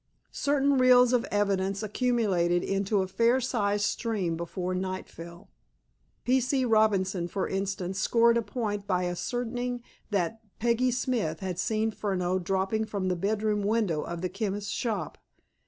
Certain rills of evidence accumulated into a fair sized stream before night fell. P. C. Robinson, for instance, scored a point by ascertaining that Peggy Smith had seen Furneaux dropping from the bedroom window of the chemist's shop.